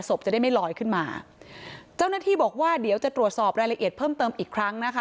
จะได้ไม่ลอยขึ้นมาเจ้าหน้าที่บอกว่าเดี๋ยวจะตรวจสอบรายละเอียดเพิ่มเติมอีกครั้งนะคะ